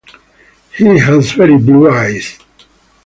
He has very blue eyes.